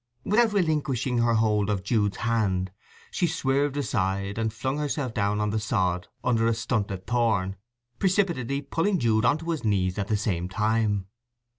Without relinquishing her hold of Jude's hand she swerved aside and flung herself down on the sod under a stunted thorn, precipitately pulling Jude on to his knees at the same time.